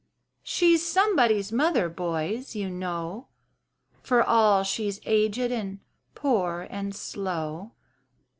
"She's somebody's mother, boys, you know, For all she's aged and poor and slow.